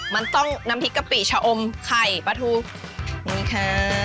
มันต้องน้ำพริกกะปิชะอมไข่ปลาทูนี่ค่ะ